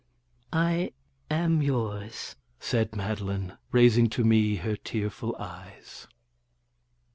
"I am yours," said Madeline, raising to me her tearful eyes.